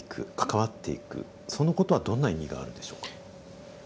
そのことはどんな意味があるんでしょうか。